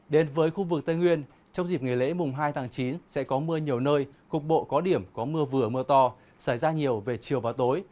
đến với khu vực tây nguyên trong dịp nghỉ lễ mùng hai tháng chín sẽ có mưa nhiều nơi cục bộ có điểm có mưa vừa mưa to xảy ra nhiều về chiều và tối